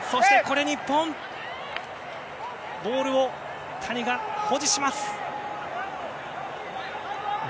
ボールを谷が保持します。